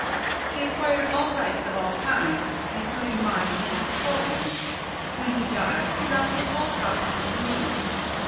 He acquired all rights of all kinds, including mining and sporting. When he died, he left his whole property to me.